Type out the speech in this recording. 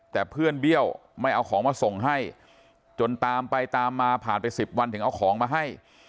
แต่เพื่อนเบี้ยวไม่เอาของมาส่งให้จนตามไปตามมาผ่านไป๑๐วันถึงเอาของมาให้